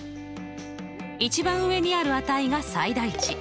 一番上にある値が最大値。